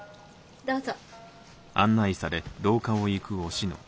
どうぞ。